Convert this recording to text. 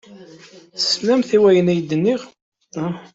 Teslamt i wayen ay d-nniɣ?